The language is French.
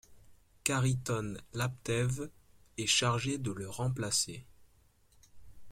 Khariton Laptev est chargé de le remplacer.